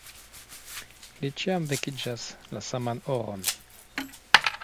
Li ĉiam vekiĝas la saman horon.